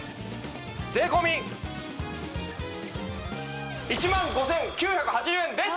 税込１万５９８０円です！